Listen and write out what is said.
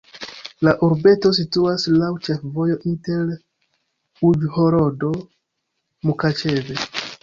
La urbeto situas laŭ ĉefvojo inter Uĵhorodo-Mukaĉeve.